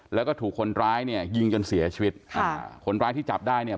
แล้วก็ถูกคนร้ายเนี่ยยิงจนเสียชีวิตอ่าคนร้ายที่จับได้เนี่ย